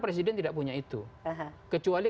presiden tidak punya itu kecuali